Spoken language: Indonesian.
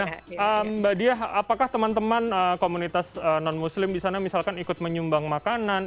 nah mbak diah apakah teman teman komunitas non muslim di sana misalkan ikut menyumbang makanan